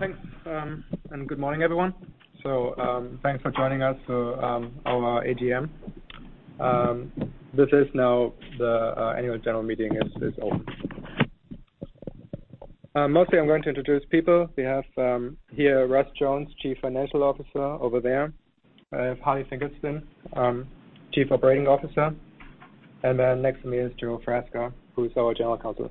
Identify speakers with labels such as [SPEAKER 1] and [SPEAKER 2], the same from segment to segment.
[SPEAKER 1] Thanks, and good morning, everyone. Thanks for joining us for our AGM. The annual general meeting is now open. Mostly, I'm going to introduce people. We have here Russ Jones, Chief Financial Officer, over there. We have Harley Finkelstein, Chief Operating Officer. Next to me is Joseph Frasca, who is our General Counsel.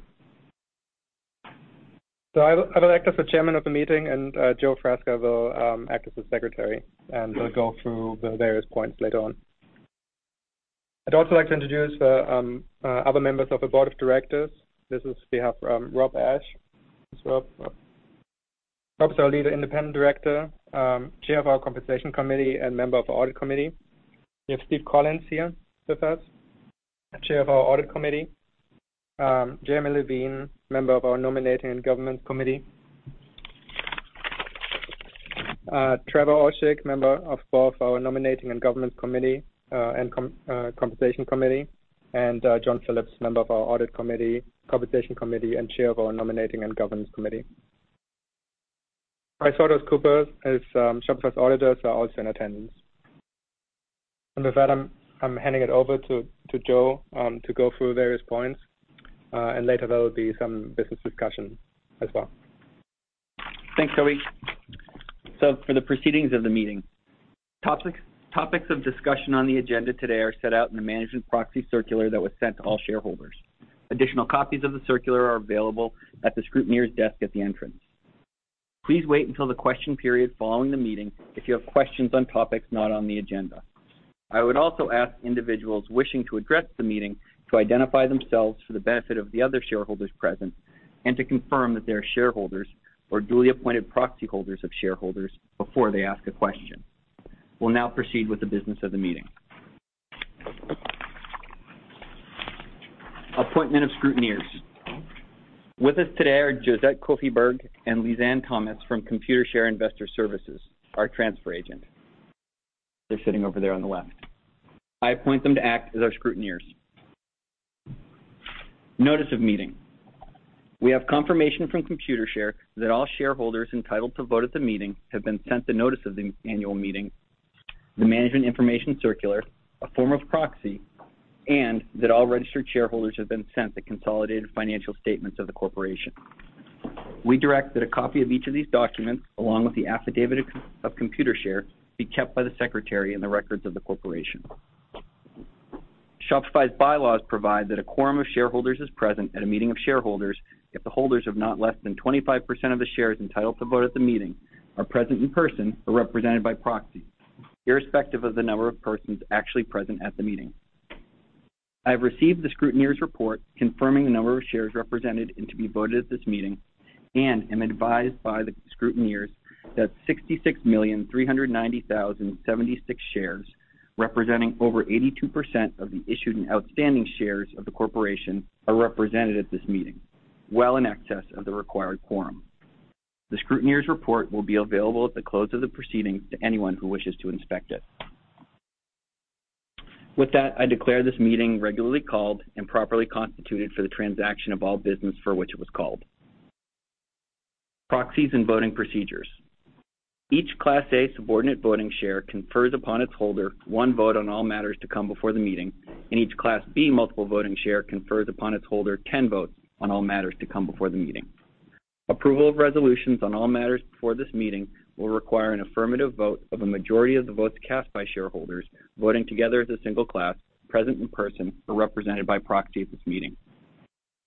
[SPEAKER 1] I will act as the chairman of the meeting, and Joseph Frasca will act as the secretary and will go through the various points later on. I'd also like to introduce other members of the board of directors. We have Robert Ashe. Robert's our Lead Independent Director, Chair of our Compensation Committee, and member of Audit Committee. We have Steven Collins here with us, Chair of our Audit Committee. Jeremy Levine, member of our Nominating and Governance Committee. Trevor Oelschig, member of both our Nominating and Governance Committee and Compensation Committee. John Phillips, member of our Audit Committee, Compensation Committee, and Chair of our Nominating and Governance Committee. PricewaterhouseCoopers is Shopify's auditors are also in attendance. With that, I'm handing it over to Joseph to go through various points, and later there will be some business discussion as well.
[SPEAKER 2] Thanks, Tobi. For the proceedings of the meeting, topics of discussion on the agenda today are set out in the management proxy circular that was sent to all shareholders. Additional copies of the circular are available at the scrutineer's desk at the entrance. Please wait until the question period following the meeting if you have questions on topics not on the agenda. I would also ask individuals wishing to address the meeting to identify themselves for the benefit of the other shareholders present and to confirm that they are shareholders or duly appointed proxy holders of shareholders before they ask a question. We'll now proceed with the business of the meeting. Appointment of scrutineers. With us today are Josette Coffeeberg and Lizanne Thomas from Computershare Investor Services, our transfer agent. They're sitting over there on the left. I appoint them to act as our scrutineers. Notice of meeting. We have confirmation from Computershare that all shareholders entitled to vote at the meeting have been sent a notice of the annual meeting, the management information circular, a form of proxy, and that all registered shareholders have been sent the consolidated financial statements of the corporation. We direct that a copy of each of these documents, along with the affidavit of Computershare, be kept by the secretary in the records of the corporation. Shopify's bylaws provide that a quorum of shareholders is present at a meeting of shareholders if the holders of not less than 25% of the shares entitled to vote at the meeting are present in person or represented by proxy, irrespective of the number of persons actually present at the meeting. I have received the scrutineer's report confirming the number of shares represented and to be voted at this meeting and am advised by the scrutineers that 66,390,076 shares, representing over 82% of the issued and outstanding shares of the corporation, are represented at this meeting, well in excess of the required quorum. The scrutineer's report will be available at the close of the proceeding to anyone who wishes to inspect it. With that, I declare this meeting regularly called and properly constituted for the transaction of all business for which it was called. Proxies and voting procedures. Each Class A subordinate voting shares confers upon its holder one vote on all matters to come before the meeting, and each Class B multiple voting shares confers upon its holder 10 votes on all matters to come before the meeting. Approval of resolutions on all matters before this meeting will require an affirmative vote of a majority of the votes cast by shareholders voting together as a single class, present in person or represented by proxy at this meeting.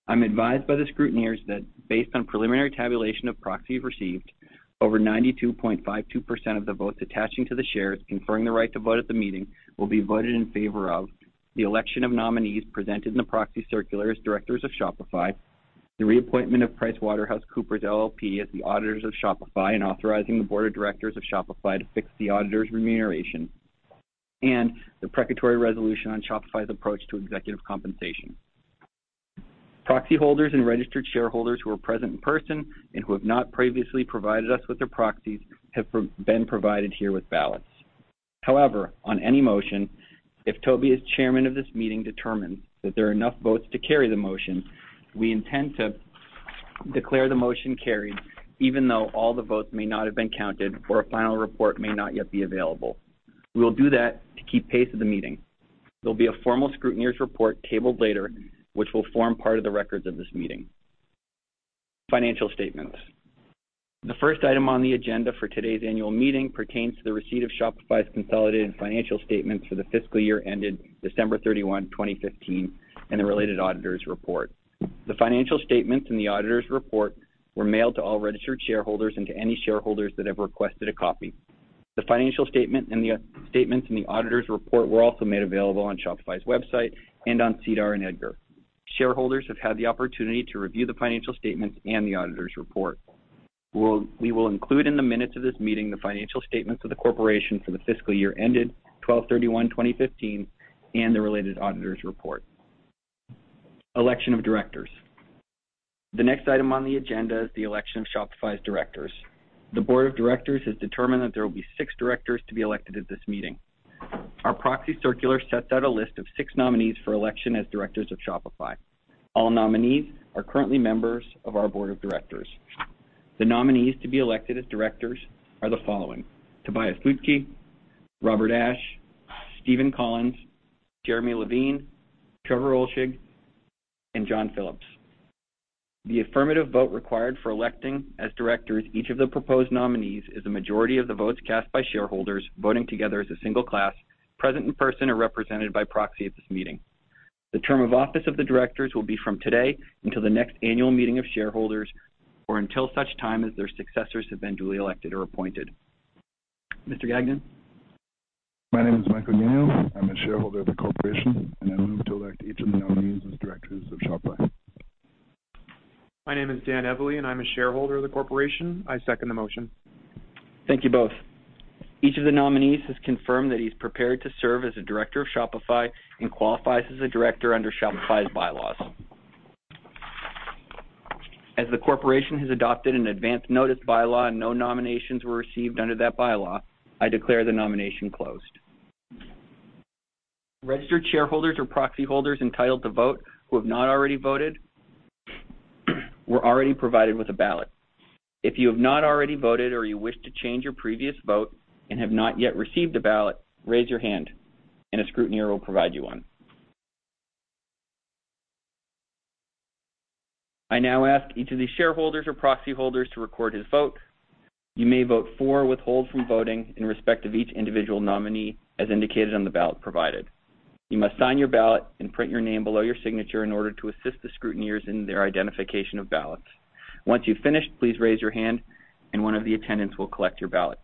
[SPEAKER 2] I'm advised by the scrutineers that based on preliminary tabulation of proxy received, over 92.52% of the votes attaching to the shares conferring the right to vote at the meeting will be voted in favor of the election of nominees presented in the proxy circular as directors of Shopify, the reappointment of PricewaterhouseCoopers LLP as the auditors of Shopify, and authorizing the board of directors of Shopify to fix the auditor's remuneration, and the precatory resolution on Shopify's approach to executive compensation. Proxy holders and registered shareholders who are present in person and who have not previously provided us with their proxies have been provided here with ballots. On any motion, if Tobi, as chairman of this meeting, determines that there are enough votes to carry the motion, we intend to declare the motion carried, even though all the votes may not have been counted or a final report may not yet be available. We will do that to keep pace with the meeting. There'll be a formal scrutineer's report tabled later, which will form part of the records of this meeting. Financial statements. The first item on the agenda for today's annual meeting pertains to the receipt of Shopify's consolidated financial statements for the fiscal year ended December 31, 2015, and the related auditor's report. The financial statements and the auditor's report were mailed to all registered shareholders and to any shareholders that have requested a copy. The financial statement and the auditor's report were also made available on Shopify's website and on SEDAR and EDGAR. Shareholders have had the opportunity to review the financial statements and the auditor's report. We will include in the minutes of this meeting the financial statements of the corporation for the fiscal year ended 12/31/2015 and the related auditor's report. Election of directors. The next item on the agenda is the election of Shopify's directors. The board of directors has determined that there will be six directors to be elected at this meeting. Our proxy circular sets out a list of six nominees for election as directors of Shopify. All nominees are currently members of our board of directors. The nominees to be elected as directors are the following: Tobias Lütke, Robert Ashe, Steven Collins, Jeremy Levine, Trevor Oelschig, and John Phillips. The affirmative vote required for electing as directors each of the proposed nominees is a majority of the votes cast by shareholders voting together as a single class, present in person or represented by proxy at this meeting. The term of office of the directors will be from today until the next annual meeting of shareholders or until such time as their successors have been duly elected or appointed. Mr. Gagnon?
[SPEAKER 3] My name is Michael Gagnon. I'm a shareholder of the corporation. I move to elect each of the nominees as directors of Shopify.
[SPEAKER 4] My name is Dan Evely. I'm a shareholder of the corporation. I second the motion.
[SPEAKER 2] Thank you both. Each of the nominees has confirmed that he's prepared to serve as a director of Shopify and qualifies as a director under Shopify's bylaws. As the corporation has adopted an Advance Notice By-Law, no nominations were received under that bylaw. I declare the nomination closed. Registered shareholders or proxy holders entitled to vote who have not already voted were already provided with a ballot. If you have not already voted or you wish to change your previous vote and have not yet received a ballot, raise your hand, and a scrutineer will provide you one. I now ask each of the shareholders or proxy holders to record his vote. You may vote for or withhold from voting in respect of each individual nominee, as indicated on the ballot provided. You must sign your ballot and print your name below your signature in order to assist the scrutineers in their identification of ballots. Once you've finished, please raise your hand, and one of the attendants will collect your ballot.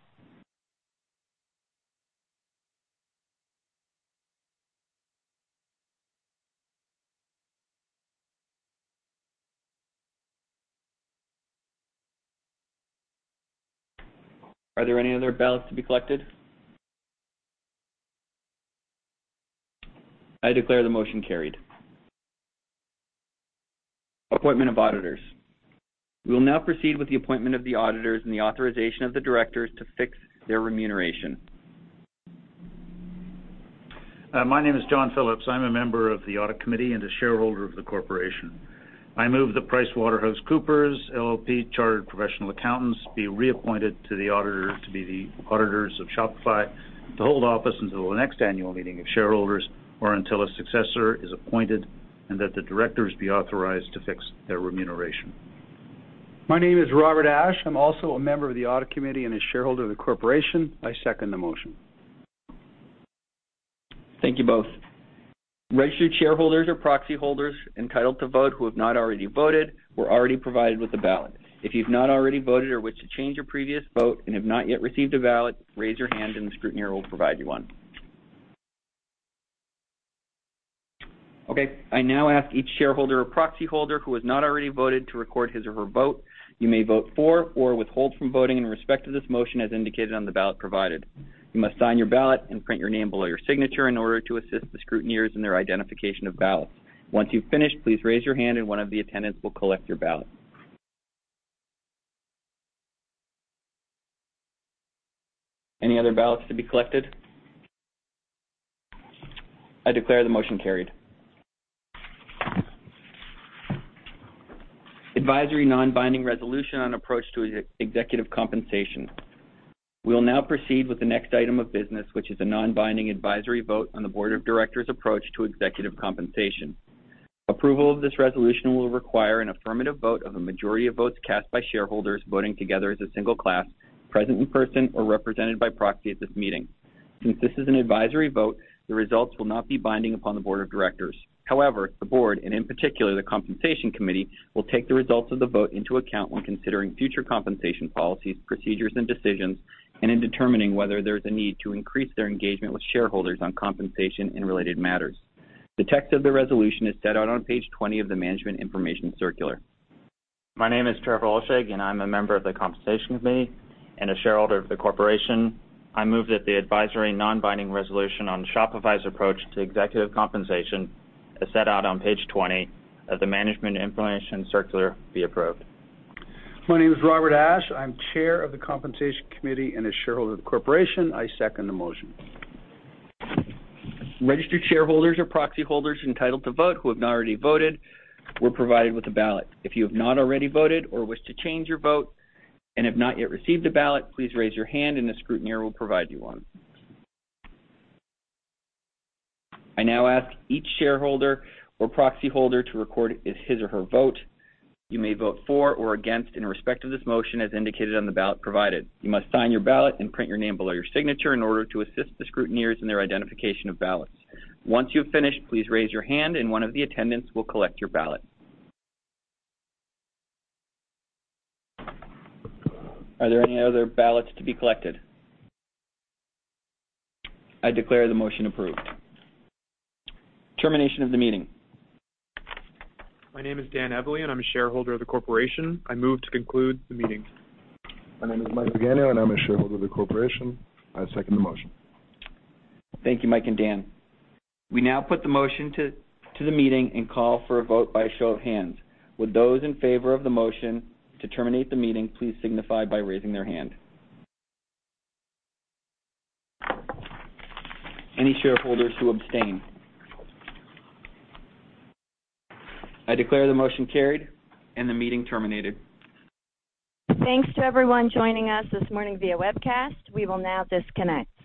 [SPEAKER 2] Are there any other ballots to be collected? I declare the motion carried. Appointment of auditors. We will now proceed with the appointment of the auditors and the authorization of the directors to fix their remuneration.
[SPEAKER 5] My name is John Phillips. I'm a member of the Audit Committee and a shareholder of the corporation. I move that PricewaterhouseCoopers LLP Chartered Professional Accountants be reappointed to be the auditors of Shopify, to hold office until the next annual meeting of shareholders or until a successor is appointed, and that the directors be authorized to fix their remuneration.
[SPEAKER 6] My name is Robert Ashe. I'm also a member of the Audit Committee and a shareholder of the corporation. I second the motion.
[SPEAKER 2] Thank you both. Registered shareholders or proxy holders entitled to vote who have not already voted were already provided with a ballot. If you've not already voted or wish to change your previous vote and have not yet received a ballot, raise your hand, and the scrutineer will provide you one. Okay. I now ask each shareholder or proxy holder who has not already voted to record his or her vote. You may vote for or withhold from voting in respect of this motion, as indicated on the ballot provided. You must sign your ballot and print your name below your signature in order to assist the scrutineers in their identification of ballots. Once you've finished, please raise your hand, and one of the attendants will collect your ballot. Any other ballots to be collected? I declare the motion carried. Advisory non-binding resolution on approach to executive compensation. We will now proceed with the next item of business, which is a non-binding advisory vote on the Board of Directors' approach to executive compensation. Approval of this resolution will require an affirmative vote of a majority of votes cast by shareholders voting together as a single class, present in person or represented by proxy at this meeting. Since this is an advisory vote, the results will not be binding upon the Board of Directors. However, the Board, and in particular the Compensation Committee, will take the results of the vote into account when considering future compensation policies, procedures, and decisions, and in determining whether there's a need to increase their engagement with shareholders on compensation and related matters. The text of the resolution is set out on page 20 of the management information circular.
[SPEAKER 7] My name is Trevor Oelschig, I'm a member of the Compensation Committee and a shareholder of the corporation. I move that the advisory non-binding resolution on Shopify's approach to executive compensation, as set out on page 20 of the management information circular, be approved.
[SPEAKER 6] My name is Robert Ashe. I'm Chair of the Compensation Committee and a shareholder of the corporation. I second the motion.
[SPEAKER 2] Registered shareholders or proxy holders entitled to vote who have not already voted were provided with a ballot. If you have not already voted or wish to change your vote and have not yet received a ballot, please raise your hand, and the scrutineer will provide you one. I now ask each shareholder or proxy holder to record his or her vote. You may vote for or against in respect of this motion, as indicated on the ballot provided. You must sign your ballot and print your name below your signature in order to assist the scrutineers in their identification of ballots. Once you have finished, please raise your hand, and one of the attendants will collect your ballot. Are there any other ballots to be collected? I declare the motion approved. Termination of the meeting.
[SPEAKER 4] My name is Dan Evely, and I'm a shareholder of the corporation. I move to conclude the meeting.
[SPEAKER 3] My name is Michael Gagnon, and I'm a shareholder of the corporation. I second the motion.
[SPEAKER 2] Thank you, Mike and Dan. We now put the motion to the meeting and call for a vote by a show of hands. Would those in favor of the motion to terminate the meeting please signify by raising their hand? Any shareholders who abstain? I declare the motion carried and the meeting terminated.
[SPEAKER 8] Thanks to everyone joining us this morning via webcast. We will now disconnect.